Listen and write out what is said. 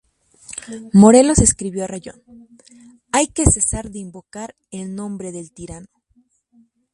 Morelos escribió a Rayón: "hay que cesar de invocar el nombre del tirano".